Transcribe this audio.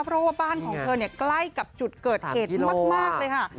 เพราะว่าบ้านของเธอใกล้กับจุดเกิดเหตุมากเลยค่ะ